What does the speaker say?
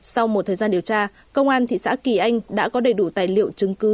sau một thời gian điều tra công an thị xã kỳ anh đã có đầy đủ tài liệu chứng cứ